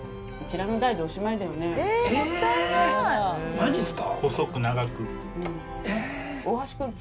マジですか。